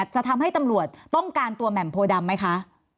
จะทำให้ตำรวจต้องการตัวแหม่มโพดำไหมคะ